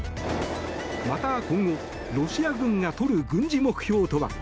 また、今後ロシア軍が取る軍事目標とは。